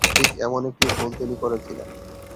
ঠিক এমন একটি ভুল তিনি করেছিলেন।